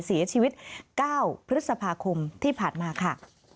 เสียชีวิต๙พฤษภาคมที่ผ่านมาค่ะ